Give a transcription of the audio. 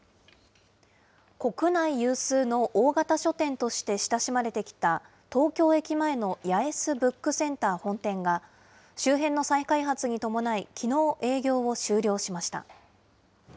国内有数の大型書店として親しまれてきた東京駅前の八重洲ブックセンター本店が、周辺の再開発に伴い、きのう、営業を終了しました。